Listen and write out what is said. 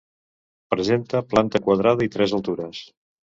Presenta planta quadrada i tres altures.